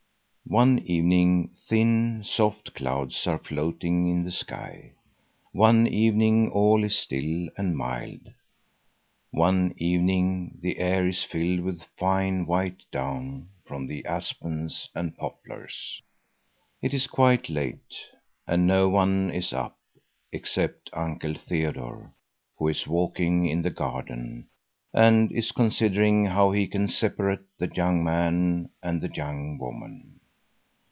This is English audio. III One evening thin, soft clouds are floating in the sky; one evening all is still and mild; one evening the air is filled with fine white down from the aspens and poplars. It is quite late, and no one is up except Uncle Theodore, who is walking in the garden and is considering how he can separate the young man and the young woman.